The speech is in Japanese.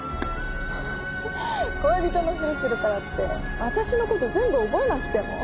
恋人のふりするからって私の事全部覚えなくても。